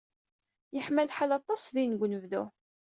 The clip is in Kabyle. Yeḥma lḥal aṭas din deg unebdu.